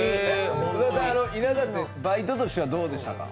稲田ってバイトとしてはどうでしたか？